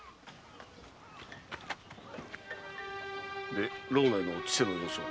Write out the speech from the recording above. で牢内の千世の様子は？